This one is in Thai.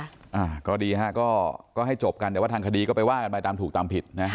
อ่าก็ดีค่ะก็ให้จบกันเดี๋ยวทางคดีก็ไปวาดกันไปตามถูกตามผิดนะ